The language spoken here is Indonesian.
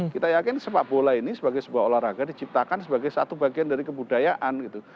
kita yakin sepak bola ini sebagai sebuah olahraga diciptakan sebagai satu bagian dari kebudayaan gitu